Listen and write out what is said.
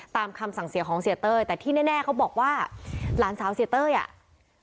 คำสั่งเสียของเสียเต้ยแต่ที่แน่เขาบอกว่าหลานสาวเสียเต้ยอ่ะ